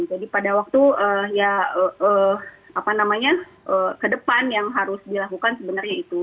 jadi pada waktu ya apa namanya ke depan yang harus dilakukan sebenarnya itu